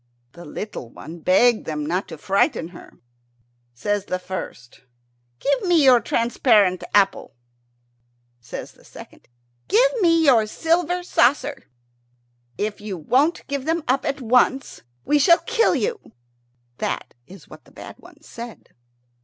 The little one begged them not to frighten her. Says the first, "Give me your transparent apple." Says the second, "Give me your silver saucer." "If you don't give them up at once, we shall kill you." That is what the bad ones said.